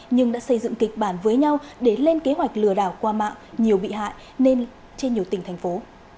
nhưng đã xây dựng kịch bản với nhau để lên kế hoạch lừa đảo qua mạng nhiều bị hại nên trên nhiều tỉnh thành phố